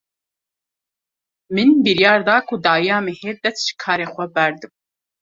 Min biryar da ku dawiya mehê dest ji karê xwe berdim.